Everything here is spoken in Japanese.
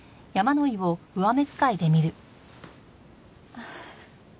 ああ。